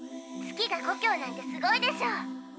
月が故郷なんてすごいでしょ！